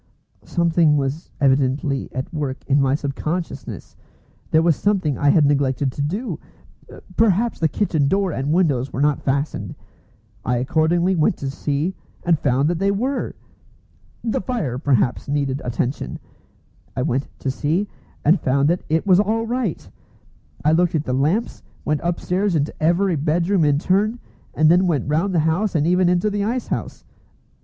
Something was evidently at work in my sub consciousness. There was something I had neglected to do. Perhaps the kitchen door and windows were not fastened. I accordingly went to see, and found that they were! The fire perhaps needed attention. I went in to see, and found that it was all right! I looked at the lamps, went upstairs into every bedroom in turn, and then went round the house, and even into the ice house.